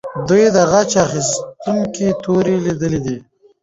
دوی د غچ اخیستونکې تورې لیدلې.